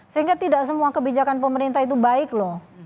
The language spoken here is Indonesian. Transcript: sehingga tidak semua kebijakan pemerintah itu baik loh